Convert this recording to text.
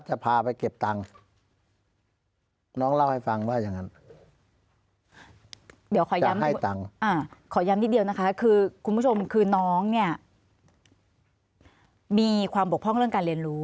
เดี๋ยวขอย้ำนะคือคุณผู้ชมคือน้องเนี่ยมีความบกพร่องเรื่องการเรียนรู้